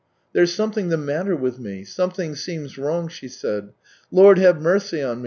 " There's something the matter with me ... something seems wrong," she said. " Lord, have mercy on me